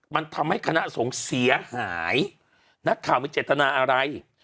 มันทำให้คณะสงฆ์เสียหายนักข่าวมีเจตนาอะไร